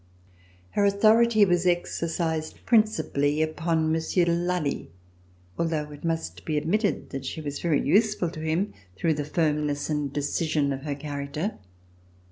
Her authority was exer cised principally upon Monsieur de Lally, although it must be admitted that she was very useful to him through the firmness and decision of her character.